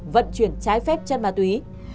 vận chuyển trái phép chân ma túy